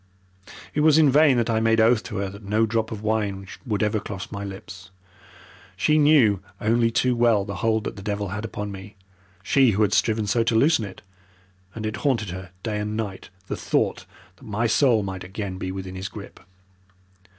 It was in vain that I made oath to her that no drop of wine would ever cross my lips. She knew only too well the hold that the devil had upon me she who had striven so to loosen it and it haunted her night and day the thought that my soul might again be within his grip.